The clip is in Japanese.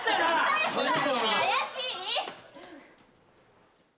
怪しい。